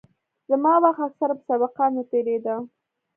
زما وخت اکثره په سبقانو تېرېده.